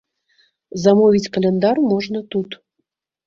Замовіць каляндар можна тут.